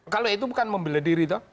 kalau itu bukan membela diri